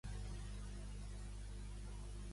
Va regnar d'una manera més similar a un rei que un regent.